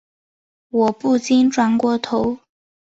我不禁转过头